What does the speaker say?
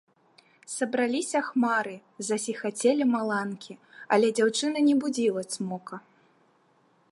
Сабраліся хмары, зазіхацелі маланкі, але дзяўчына не будзіла цмока.